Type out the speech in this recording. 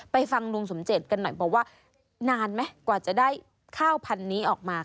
ฟังลุงสมเจตกันหน่อยบอกว่านานไหมกว่าจะได้ข้าวพันธุ์นี้ออกมา